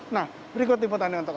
nah berikut liputannya untuk anda